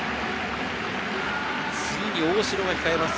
次に大城が控えます。